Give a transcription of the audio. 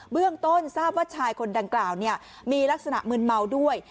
เบื้องต้นทราบว่าชายคนดังกล่าวมีลักษณะมืนเมาด้วย